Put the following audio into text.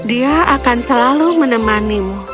dia akan selalu menemanimu